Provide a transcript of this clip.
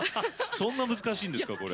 そんな難しいんですか？